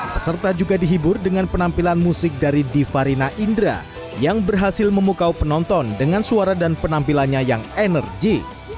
peserta juga dihibur dengan penampilan musik dari divarina indra yang berhasil memukau penonton dengan suara dan penampilannya yang energi